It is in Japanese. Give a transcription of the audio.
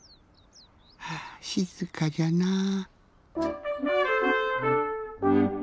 はあしずかじゃなぁ。